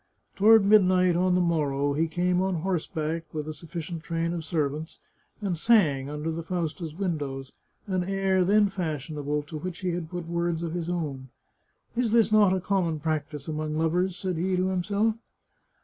Toward midnight on the morrow, he came on horseback, with a suf ficient train of servants, and sang, under the Fausta's win dows, an air then fashionable, to which he had put words of his own. " Is not this a common practice among lovers?" said he to himself.